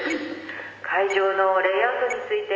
会場のレイアウトについて。